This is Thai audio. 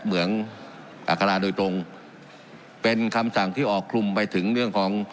เมืองอัคราโดยตรงเป็นคำสั่งที่ออกคลุมไปถึงเรื่องของ